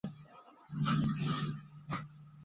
上深沟堡墓群的历史年代为汉代。